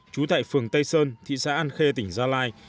trú tại phường tây sơn thị xã an khê tỉnh gia lai